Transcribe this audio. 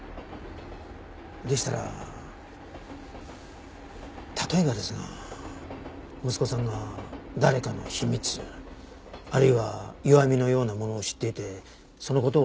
でしたら例えばですが息子さんが誰かの秘密あるいは弱みのようなものを知っていてその事を。